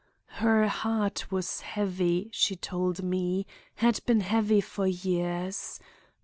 "Her heart was heavy, she told me; had been heavy for years.